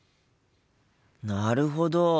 なるほど！